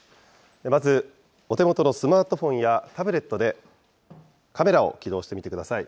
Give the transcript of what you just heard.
まず、お手元のスマートフォンやタブレットで、カメラを起動してみてください。